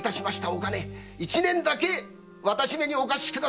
お金一年だけ私めにお貸しくださいまし」